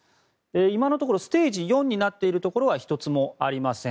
今のところステージ４になっているところは１つもありません。